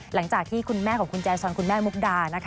หลังจากที่คุณแม่ของคุณแจซอนคุณแม่มุกดานะคะ